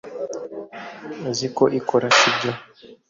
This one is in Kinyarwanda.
Uzi uko ikora sibyo